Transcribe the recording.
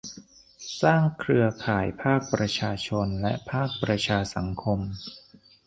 สร้างเครือข่ายภาคประชาชนและภาคประชาสังคม